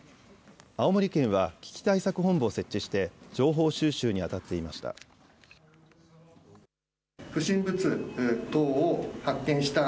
青森県は危機対策本部を設置して、情報収集に当たっていました。